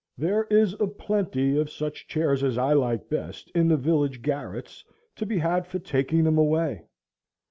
There is a plenty of such chairs as I like best in the village garrets to be had for taking them away.